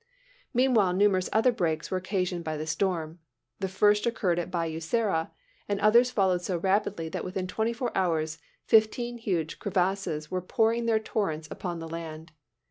Meanwhile, numerous other breaks were occasioned by the storm. The first occurred at Bayou Sara, and others followed so rapidly that within twenty four hours fifteen huge crevasses were pouring their torrents upon the land.